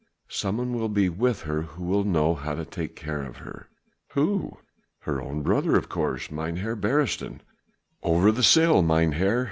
Someone will be with her who will know how to take care of her." "Who?" "Her own brother of course, Mynheer Beresteyn. Over the sill, mynheer!"